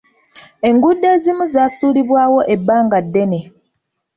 Enguudo ezimu zaasuulibwawo ebbanga ddene.